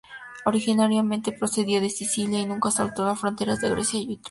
Originariamente procedía de Sicilia y nunca saltó las fronteras de Grecia y Etruria.